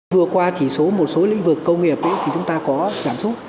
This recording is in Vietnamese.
vừa qua chỉ số một số lĩnh vực công nghiệp thì chúng ta có cảm xúc